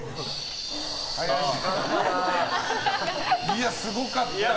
いや、すごかったね。